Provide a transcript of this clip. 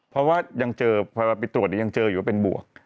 เพราะว่ายังเจอไปตรวจยังเจออยู่เป็นบวก